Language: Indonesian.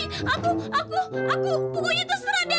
pokoknya aku gak mau ke pesantren